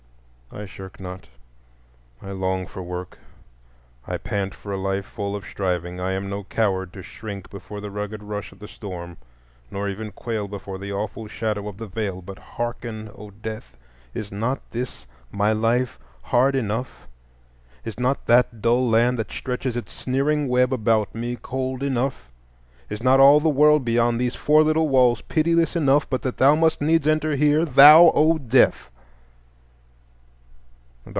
I shirk not. I long for work. I pant for a life full of striving. I am no coward, to shrink before the rugged rush of the storm, nor even quail before the awful shadow of the Veil. But hearken, O Death! Is not this my life hard enough,—is not that dull land that stretches its sneering web about me cold enough,—is not all the world beyond these four little walls pitiless enough, but that thou must needs enter here,—thou, O Death?